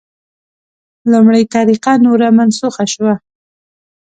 لومړۍ طریقه نوره منسوخه شوه.